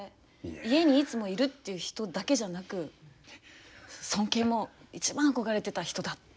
家にいつも居るっていう人だけじゃなく尊敬も一番憧れてた人だ。